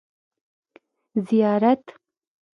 زيارت